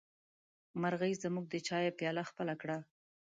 مرغۍ زموږ د چايه پياله خپله کړه.